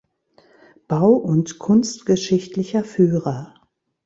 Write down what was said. Bau- und Kunstgeschichtlicher Führer".